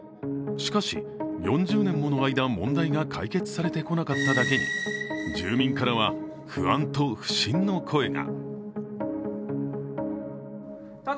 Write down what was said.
しかし、４０年もの間、問題が解決されてこなかっただけに住民からは不安と不信の声が。